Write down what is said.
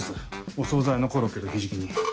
お総菜のコロッケとひじき煮。